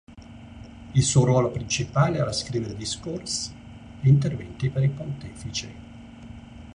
Il suo ruolo principale era scrivere discorsi e interventi per il pontefice.